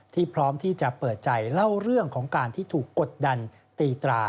พร้อมที่จะเปิดใจเล่าเรื่องของการที่ถูกกดดันตีตรา